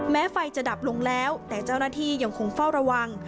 แม้ไฟจะดับลงแล้วแต่เจ้าหน้าที่ยังคงเฝ้าระวัง